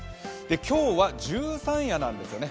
今日は十三夜なんですよね。